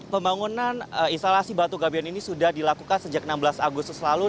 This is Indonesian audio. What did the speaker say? pembangunan instalasi batu gabion ini sudah dilakukan sejak enam belas agustus lalu